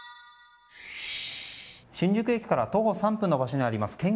新宿駅から徒歩３分の場所にあります